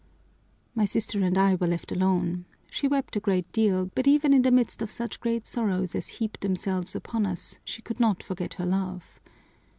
"My sister and I were left alone. She wept a great deal, but even in the midst of such great sorrows as heaped themselves upon us, she could not forget her love.